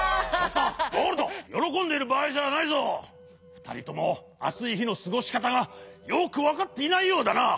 ふたりともあついひのすごしかたがよくわかっていないようだな。